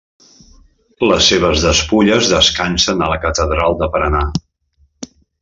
Les seves despulles descansen a la Catedral de Paranà.